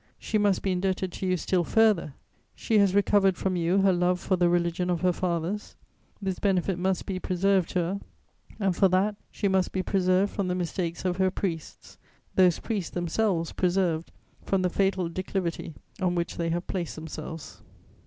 She must be indebted to you still further; she has recovered from you her love for the religion of her fathers: this benefit must be preserved to her; and for that, she must be preserved from the mistakes of her priests, those priests themselves preserved from the fatal declivity on which they have placed themselves.